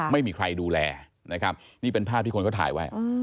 ไม่มีใครดูแลนะครับนี่เป็นภาพที่คนเขาถ่ายไว้